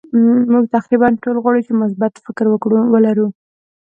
مونږ تقریبا ټول غواړو چې مثبت فکر ولرو.